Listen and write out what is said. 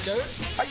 ・はい！